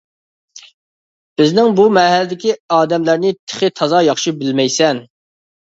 بىزنىڭ بۇ مەھەللىدىكى ئادەملەرنى تېخى تازا ياخشى بىلمەيسەن.